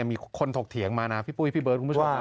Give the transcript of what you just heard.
มีคนถูกเถียงมานะพี่ปุ้ยพี่เบิร์ตพรุ่งพัชโศษะ